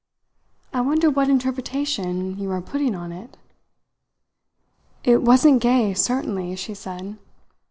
I wonder what interpretation you are putting on it?" "It wasn't gay, certainly," she said.